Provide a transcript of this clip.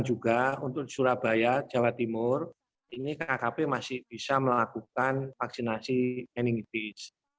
juga untuk surabaya jawa timur ini kkp masih bisa melakukan vaksinasi meningitis